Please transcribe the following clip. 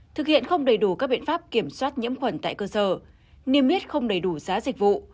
thực hiện không đầy đủ các biện pháp kiểm soát nhiễm khuẩn tại cơ sở niêm yết không đầy đủ giá dịch vụ